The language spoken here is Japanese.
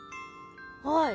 はい。